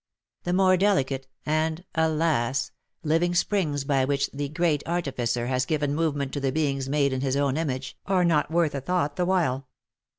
The more delicate, and (alas !) living springs by which the Great Artificer has given movement to the beings made in his own image, are not worth a thought the while.